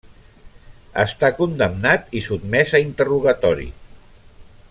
Està condemnat i sotmès a interrogatori.